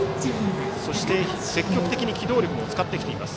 そして、積極的に機動力も使ってきています。